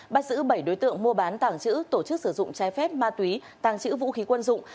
bắt giữ bảy đối tượng mua bán tàng trữ tổ chức sử dụng trái phép ma túy tàng trữ vũ khí quân dụng